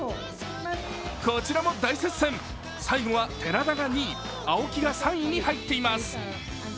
こちらも大接戦、最後は寺田が２位、青木が３位に入っています。